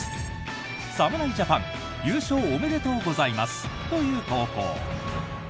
侍ジャパン優勝おめでとうございます！という投稿。